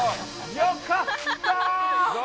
よかった！